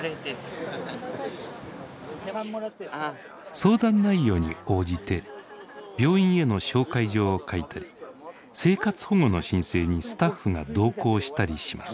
相談内容に応じて病院への紹介状を書いたり生活保護の申請にスタッフが同行したりします。